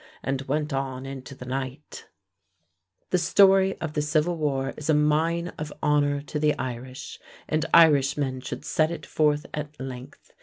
and went on into the night" The story of the Civil War is a mine of honor to the Irish, and Irishmen should set it forth at length.